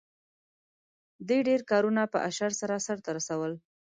دې ډېر کارونه په اشر سره سرته رسول.